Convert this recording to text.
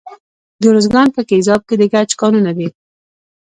د ارزګان په ګیزاب کې د ګچ کانونه دي.